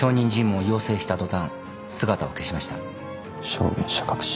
証言者隠し。